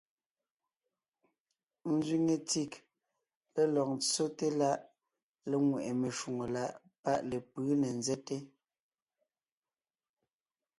Ńzẅíŋe TIC lélɔg ńtsóte láʼ léŋweʼe meshwóŋè láʼ páʼ lepʉ̌ ne ńzɛ́te.